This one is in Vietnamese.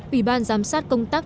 ủy ban giám sát công tác